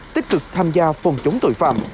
tích cực tham gia phòng chống tội phạm